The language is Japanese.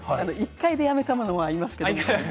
１回でやめたものもあります。